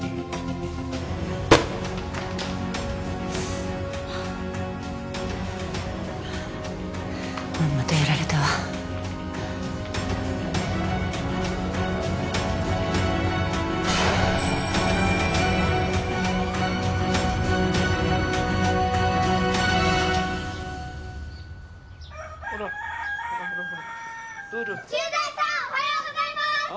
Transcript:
駐在さんおはようございます！